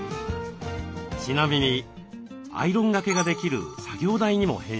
ちなみにアイロンがけができる作業台にも変身します。